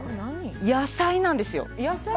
野菜なんですよ。